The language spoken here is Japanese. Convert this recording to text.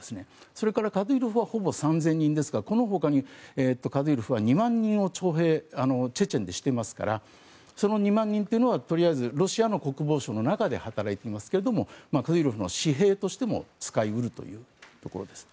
それからカディロフはほぼ３０００人ですからこのほかにカディロフは２万人をチェチェンで徴兵していますからその２万人というのはとりあえずロシアの国防省の中で働いていますけどカディロフの私兵としても使い得るということです。